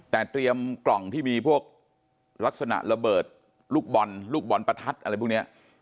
แต่เตรียมกล่องที่มีพวกลักษณะระเบิดลูกบอลลูกบอลประทัดอะไรพวกนี้